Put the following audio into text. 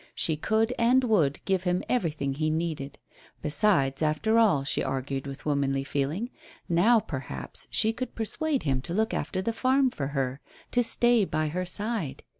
She could and would give him everything he needed. Besides, after all, she argued with womanly feeling, now perhaps she could persuade him to look after the farm for her; to stay by her side.